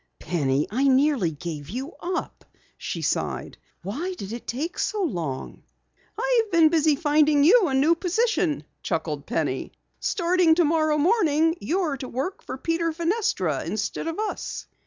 "Penny, I nearly gave you up," she sighed. "Why did it take so long?" "I've been busy finding you a new position," chuckled Penny. "Starting tomorrow morning, you're to work for Peter Fenestra instead of us."